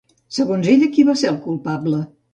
Segons ella, qui va ser el culpable?